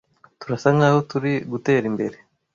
Turasa nkaho turi gutera imbere.